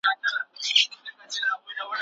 هر انسان له ستونزو سره مخامخ کېږي.